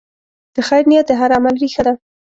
د خیر نیت د هر عمل ریښه ده.